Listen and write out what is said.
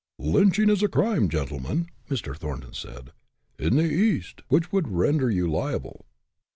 "Lynching is a crime, gentlemen," Mr. Thornton said, "in the East, which would render you liable.